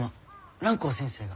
蘭光先生が。